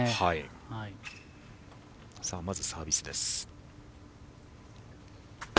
まずサービスです。